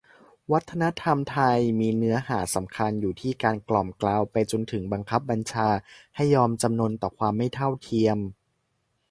"วัฒนธรรมไทย" มีเนื้อหาสำคัญอยู่ที่การกล่อมเกลา ไปจนถึงบังคับบัญชาให้ยอมจำนนต่อความไม่เท่าเทียม